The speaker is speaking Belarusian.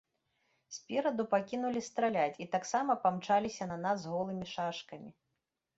Спераду пакінулі страляць і таксама памчаліся на нас з голымі шашкамі.